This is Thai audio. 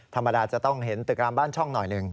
ธรรมดาจะต้องเห็นตึกรามบ้านช่องหน่อยหนึ่ง